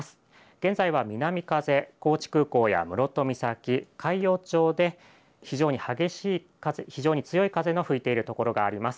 現在は南風高知空港や室戸岬、海陽町で非常に激しい強い風が吹いている所があります。